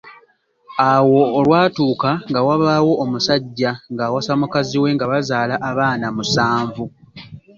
Awo olwatuuka nga wabaawo omusajja ng’awasa mukazi we nga bazaala abaana musanvu.